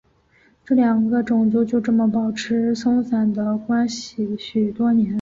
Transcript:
两个种族就这么保持松散的关系许多年。